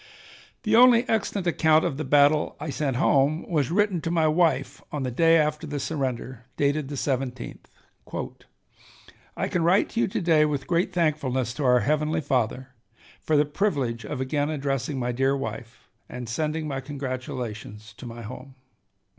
The only extant account of the battle I sent home was written to my wife on the day after the surrender, dated the 17th: "I can write to you to day with great thankfulness to our Heavenly Father for the privilege of again addressing my dear wife, and sending my congratulations to my home.